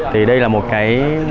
thì đây là một cái